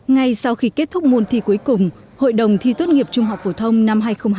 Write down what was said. ngay sau khi kết thúc môn thi cuối cùng hội đồng thi tốt nghiệp trung học phổ thông năm hai nghìn hai mươi